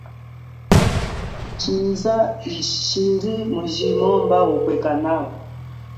Tshiza chili mujimo mba upwe kanawa.